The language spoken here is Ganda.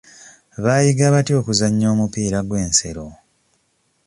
Baayiga batya okuzannya omupiira gw'ensero?